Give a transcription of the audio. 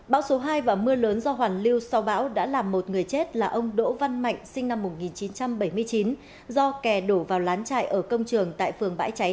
bão số hai và mưa lớn do hoàn lưu sau bão đã làm một người chết là ông đỗ văn mạnh sinh năm một nghìn chín trăm bảy mươi chín do kè đổ vào lán trại ở công trường tại phường bãi cháy